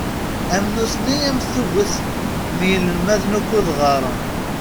Am nutni am tuget n yinelmaden ukkud ɣaren.